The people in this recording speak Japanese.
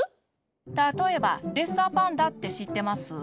たとえばレッサーパンダってしってます？